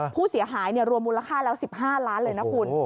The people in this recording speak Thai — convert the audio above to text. ผู้เสียหายรวมมูลค่าแล้ว๑๕ล้านเลยนะคุณ